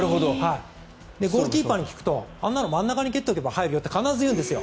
ゴールキーパーに聞くとあんなの真ん中に蹴っておけば入るよって必ず言うんですよ。